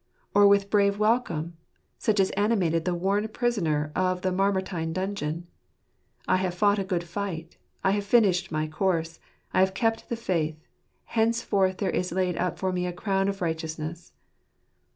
Or with brave welcome, such as animated the worn prisoner of the Mamertine dungeon? "I have fought a good fight, I have finished my course, I have kept the faith ; henceforth there is laid up for me a crown of right eousness."